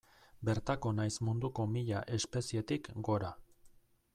Bertako nahiz munduko mila espezietik gora.